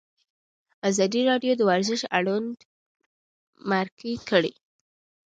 ازادي راډیو د ورزش اړوند مرکې کړي.